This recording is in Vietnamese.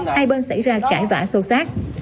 hai bên xảy ra cãi vã sâu sát